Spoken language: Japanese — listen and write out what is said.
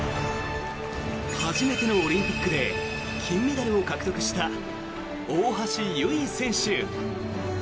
初めてのオリンピックで金メダルを獲得した大橋悠依選手。